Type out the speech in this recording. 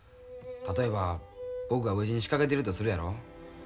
例えば僕が飢え死にしかけてるとするやろ。